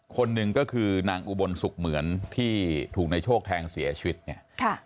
คนหนึ่งก็คือนางอุบลสุขเหมือนที่ถูกในโชคแทงเสียชีวิตเนี่ยค่ะ